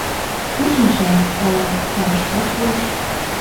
— Кӧ шинча, ала сарышкат пурыш.